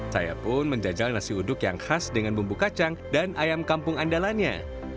saya pun menjajal nasi uduk yang khas dengan bumbu kacang dan ayam kampung andalannya